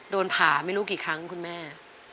โดนผ่าไม่รู้กี่ครั้งคุณแม่